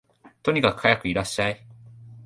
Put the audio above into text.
とにかくはやくいらっしゃい